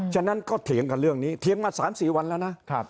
ฉะนั้นก็เถียงกันเรื่องนี้เถียงมา๓๔วันแล้วนะ